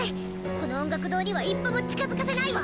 この音楽堂には一歩も近づかせないわ！